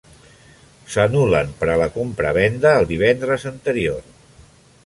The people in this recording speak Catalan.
S'anul·len per a la compravenda el divendres anterior.